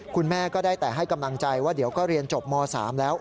คุณแม่ก็ได้แต่ให้กำลังใจว่าเดี๋ยวก็เรียนจบม๓แล้ว